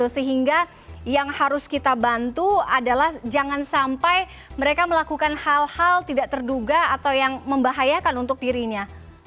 sehingga yang harus kita bantu adalah jangan sampai mereka melakukan hal hal tidak terduga atau yang membahayakan untuk dirinya